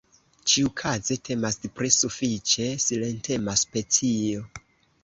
Ĉiukaze temas pri sufiĉe silentema specio.